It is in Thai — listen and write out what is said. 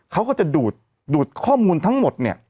เขาก็จะดูดข้อมูลทั้งหมดเนี่ย